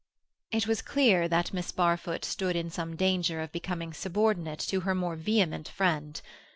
It was clear that Miss Barfoot stood in some danger of becoming subordinate to her more vehement friend.